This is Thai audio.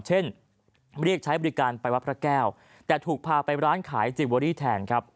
เช่นเรียกใช้บริการไปวัดพระแก้วแต่ถูกพาไปร้านขายจิเวอรี่แทนครับ